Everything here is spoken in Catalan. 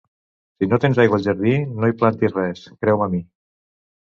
Si no tens aigua al jardí, no hi plantis res, creu-me a mi.